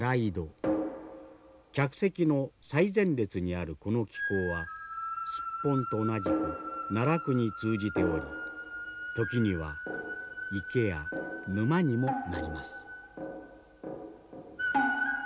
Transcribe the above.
客席の最前列にあるこの機構はスッポンと同じく奈落に通じており時には池や沼にもなります。